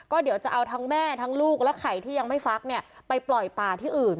ก็เดี๋ยวจะเอาทั้งแม่ทั้งลูกและไข่ที่ยังไม่ฟักเนี่ยไปปล่อยป่าที่อื่น